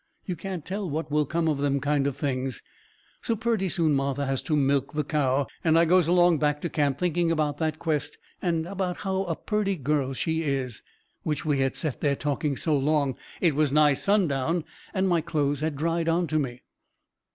You can't tell what will come of them kind of things. So purty soon Martha has to milk the cow, and I goes along back to camp thinking about that quest and about what a purty girl she is, which we had set there talking so long it was nigh sundown and my clothes had dried onto me.